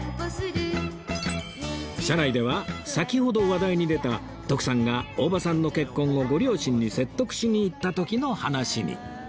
車内では先ほど話題に出た徳さんが大場さんの結婚をご両親に説得しに行った時の話に